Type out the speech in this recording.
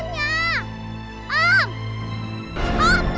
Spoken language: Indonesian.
kok pergi sih